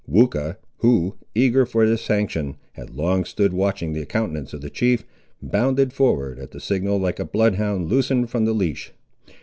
Weucha, who, eager for this sanction, had long stood watching the countenance of the chief, bounded forward at the signal like a blood hound loosened from the leash.